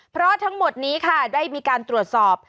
เพราะทั้งหมดนี้ค่ะได้มีการตรวจสอบ